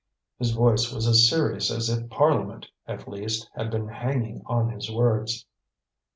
His voice was as serious as if Parliament, at least, had been hanging on his words.